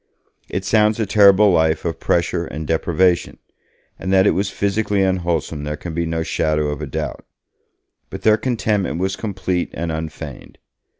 It sounds a terrible life of pressure and deprivation, and that it was physically unwholesome there can be no shadow of a doubt. But their contentment was complete and unfeigned.